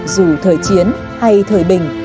dù thời chiến hay thời bình